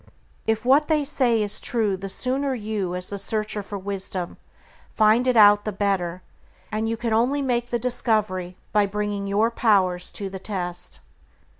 If what they say is true the sooner you, as a searcher for wisdom, find it out the better, and you can only make the discovery by bringing your powers to the test.